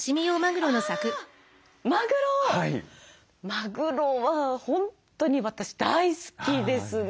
マグロは本当に私大好きですね。